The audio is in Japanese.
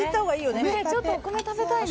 ねっちょっとお米食べたいね